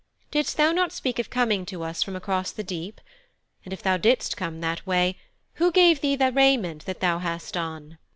Didst thou not speak of coming to us from across the deep? And if thou didst come that way, who gave thee the raiment that thou hast on?'